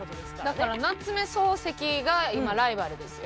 だから夏目漱石が今ライバルですよ。